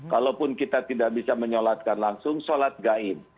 kalaupun kita tidak bisa menyolatkan langsung sholat gaib